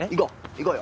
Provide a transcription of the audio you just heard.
行こうよ。